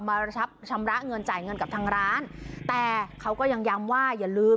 มาชำระเงินจ่ายเงินกับทางร้านแต่เขาก็ยังย้ำว่าอย่าลืม